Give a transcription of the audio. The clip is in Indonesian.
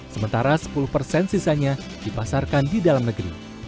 sementara sepuluh persen sisanya dipasarkan di dalam negeri